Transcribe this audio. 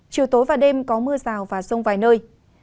chiều tối và đêm có mưa rào và rông vài nơi